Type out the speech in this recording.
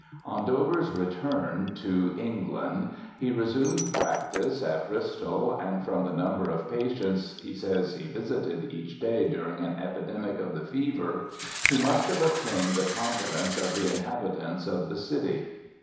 'On Dover's return to England he resumed practice at Bristol, and from the number of patients he says he visited each day during an epidemic of the fever, he must have obtained the confidence of the inhabitants of that city.'